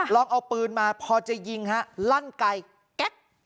ลองเอาปืนมาพอจะยิงฮะลั่นไกลแก๊ก